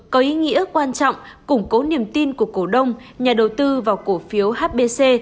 có ý nghĩa quan trọng củng cố niềm tin của cổ đông nhà đầu tư vào cổ phiếu hbc